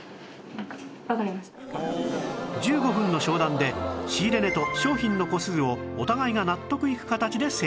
１５分の商談で仕入れ値と商品の個数をお互いが納得いく形で成立